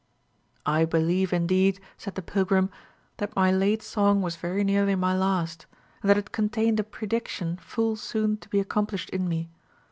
"I believe, indeed," said the pilgrim, "that my late song was very nearly my last, and that it contained a prediction full soon to be accomplished in me.